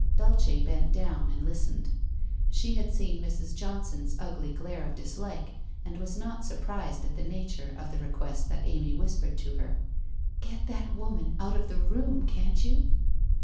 Dulce bent down, and listened. She had seen Mrs. Johnson's ugly glare of dislike, and was not surprised at the nature of the request that Amy whispered to her. ' Get that woman out of the room, can't you